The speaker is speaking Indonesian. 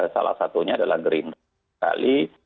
salah satunya adalah gerindra sekali